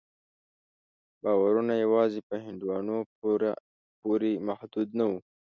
باورونه یوازې په هندوانو پورې محدود نه وو.